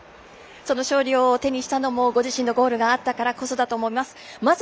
勝利を手にしたのもご自身のゴールがあったからこそだと思います。